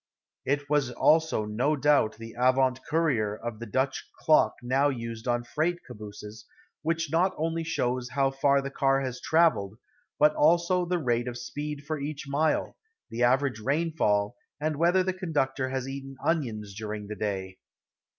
It was also no doubt the avant courier of the Dutch clock now used on freight cabooses, which not only shows how far the car has traveled, but also the rate of speed for each mile, the average rainfall and whether the conductor has eaten onions during the day.